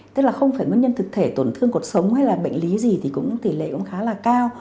tức là không phải nguyên nhân thực thể tổn thương cuộc sống hay là bệnh lý gì thì cũng tỷ lệ cũng khá là cao